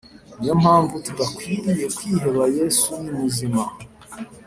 Niyo mpamvu tudakwiriye kwiheba yesu ni muzima